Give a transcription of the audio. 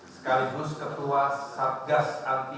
sekaligus ketua satgas anti mafia tanah